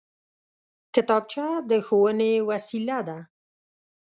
کتابچه د ښوونې وسېله ده